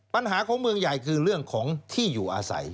ปัญหาของเมืองใหญ่คือเรื่องของที่อยู่อาศัย